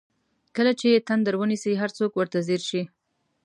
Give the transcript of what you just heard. کله چې یې تندر ونیسي هر څوک ورته ځیر شي.